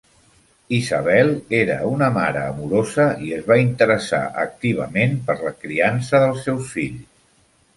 Isabel era una mare amorosa i es va interessar activament per la criança dels seus fills.